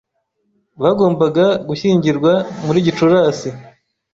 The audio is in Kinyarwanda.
Bagombaga gushyingirwa muri Gicurasi.